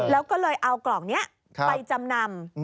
แล้วก็เลยเอากล่องนี้ไปจำนำ